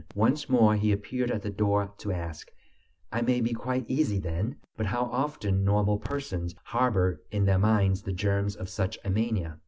Once more he appeared at the door to ask: "I may be quite easy then?" But how often normal persons harbor in their minds the germs of such a mania!